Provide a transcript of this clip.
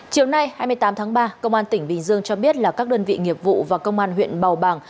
chiều nay hai mươi tám tháng ba công an tỉnh bình dương cho biết là các đơn vị nghiệp vụ và công an huyện bào bàng